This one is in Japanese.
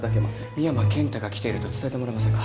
深山健太が来ていると伝えてもらえませんか。